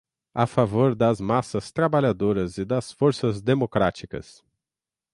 a favor das massas trabalhadoras e das forças democráticas